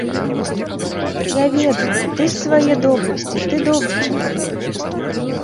Я ведаю, ты з свае добрасці, ты добры чалавек.